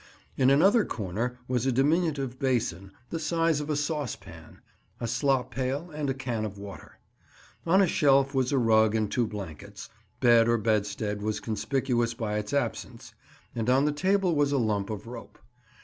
In another corner was a diminutive basin the size of a saucepan, a slop pail, and a can of water. On a shelf was a rug and two blankets; bed or bedstead was conspicuous by its absence; and on the table was a lump of rope.